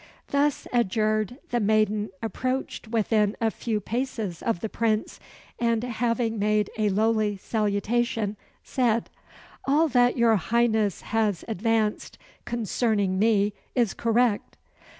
Thus adjured, the maiden approached within a few paces of the Prince, and having made a lowly salutation, said, "All that your Highness has advanced concerning me is correct."